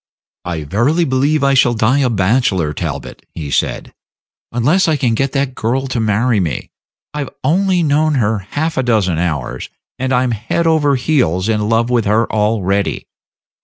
"I verily believe I shall die a bachelor, Talbot," he said, "unless I can get that girl to marry me. I've only known her half a dozen hours, and I'm head over heels in love with her already.